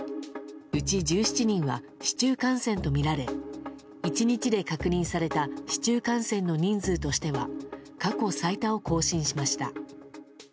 うち１７人は市中感染とみられ１日で確認された市中感染の人数としては過去最多を更新しました。